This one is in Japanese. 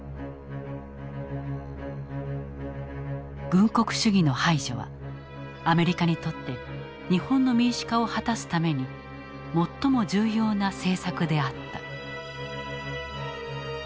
軍国主義の排除はアメリカにとって日本の民主化を果たすために最も重要な政策であった。